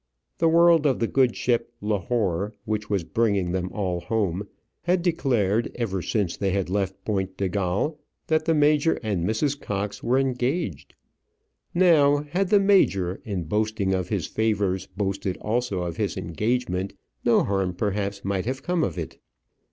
The world of the good ship "Lahore," which was bringing them all home, had declared ever since they had left Point de Galle, that the major and Mrs. Cox were engaged. Now, had the major, in boasting of his favours, boasted also of his engagement, no harm perhaps might have come of it.